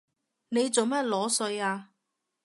你做乜裸睡啊？